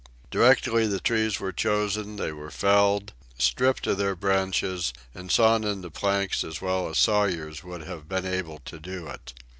Directly the trees were chosen, they were felled, stripped of their branches, and sawn into planks as well as sawyers would have been able to do it.